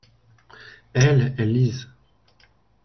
Elles, elles lisent.